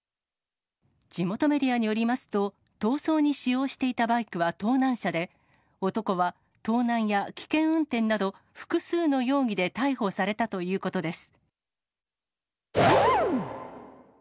地元メディアによりますと、逃走に使用していたバイクは盗難車で、男は盗難や危険運転など、複数の容疑で逮捕されたということです。